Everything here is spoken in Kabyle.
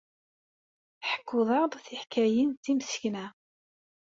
Tḥekkuḍ-aɣ-d tiḥkayin d timsekna.